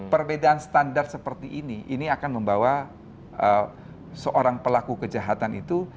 perbedaan standar seperti ini ini akan membawa seorang pelaku kejahatan itu